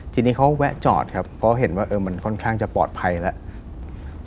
ทีนี้เขาแวะจอดครับเพราะเห็นว่ามันค่อนข้างจะปลอดภัยแล้ว